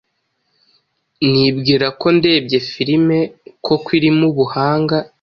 nibwira ko ndebye film koko irimo ubuhanga